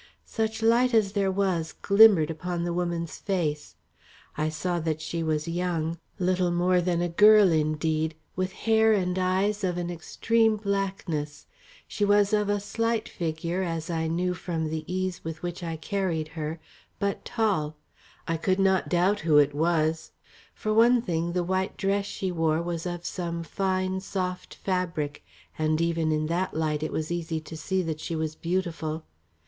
Such light as there was, glimmered upon the woman's face. I saw that she was young, little more than a girl indeed, with hair and eyes of an extreme blackness. She was of a slight figure as I knew from the ease with which I carried her, but tall. I could not doubt who it was, for one thing the white dress she wore was of some fine soft fabric, and even in that light it was easy to see that she was beautiful.